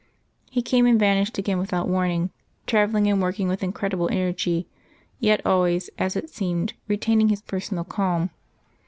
He came and vanished again without warning, travelling and working with incredible energy, yet always, as it seemed, retaining his personal calm.